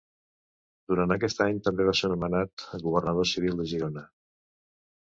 Durant aquests anys també va ser nomenat governador civil de Girona.